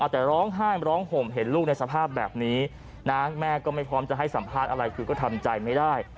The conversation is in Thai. แต่ร้องไห้ร้องห่มเห็นลูกในสภาพแบบนี้นะแม่ก็ไม่พร้อมจะให้สัมภาษณ์อะไรคือก็ทำใจไม่ได้